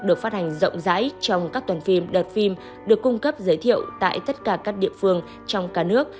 được phát hành rộng rãi trong các tuần phim đợt phim được cung cấp giới thiệu tại tất cả các địa phương trong cả nước